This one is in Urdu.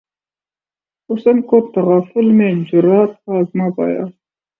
حسن کو تغافل میں جرأت آزما پایا